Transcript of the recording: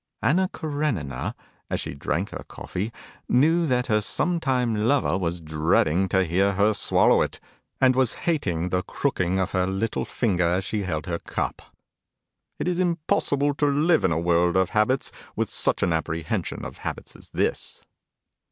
Anna Karenina, as she drank her coffee, knew that her sometime lover was dreading to hear her swallow it, and was hating the crooking of her little finger as she held her cup. It is impossible to live in a world of habits with such an apprehension of habits as this.